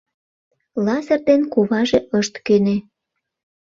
Лазыр ден куваже ышт кӧнӧ.